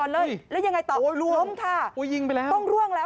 แล้วยังไงต่อล้มค่ะต้องร่วงแล้วค่ะโอ้ยยิงไปแล้ว